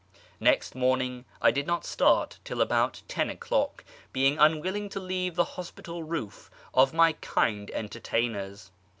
Next morning I did not start till about ten o'clock, being unwilling to leave the hospitable roof of my kind entertainers.